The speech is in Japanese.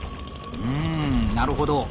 うんなるほど。